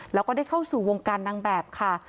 แล้วก็ได้เข้าสู่วงการนางแบบค่ะ